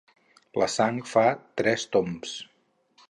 La sang fa tres tombs.